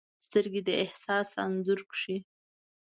سترګې د احساس انځور کښي